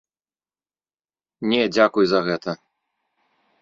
Не, дзякуй за гэта!